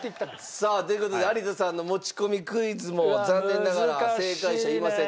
さあという事で有田さんの持ち込みクイズも残念ながら正解者いません。